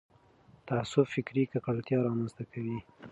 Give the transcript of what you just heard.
تعصب فکري کنګلتیا رامنځته کوي